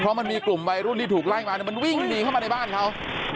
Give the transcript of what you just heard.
เพราะมันมีกลุ่มวัยรุ่นที่ถูกไล่มามันวิ่งหนีเข้ามาในบ้านเขา